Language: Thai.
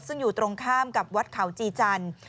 ซึ่งอยู่ตรงข้ามกับวัดเขาจีจันทร์